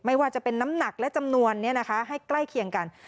ไม่ว่าจะเป็นน้ำหนักและจำนวนให้ใกล้เคียงกัน